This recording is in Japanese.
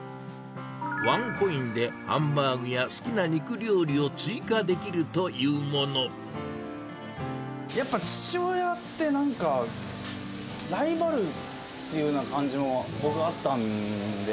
ワンコインでハンバーグや好きなやっぱ父親って、なんか、ライバルっていうような感じも、僕はあったんで。